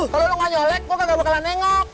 kalau lo gak nyelek lo gak bakalan nengok